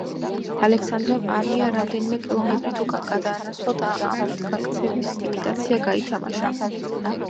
ალექსანდრემ არმია რამდენიმე კილომეტრით უკან გადაანაცვლა და ამით გაქცევის იმიტაცია გაითამაშა.